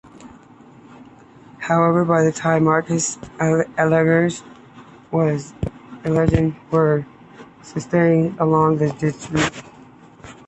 However, by the time of Marcus Aurelius, twelve legions were stationed along the Danube.